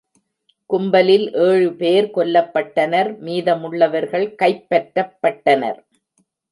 கும்பலில் ஏழு பேர் கொல்லப்பட்டனர், மீதமுள்ளவர்கள் கைப்பற்றப்பட்டனர்.